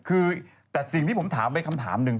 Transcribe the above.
คือแต่สิ่งที่ผมถามไปคำถามหนึ่ง